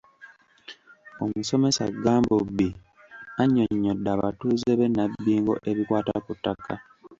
Omusomesa Gambobbi annyonnyodde abatuuze b’e Nabbingo ebikwata ku ttaka.